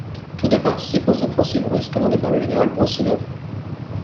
Tous deux participent aux offensives russes commandées par le général Broussilov.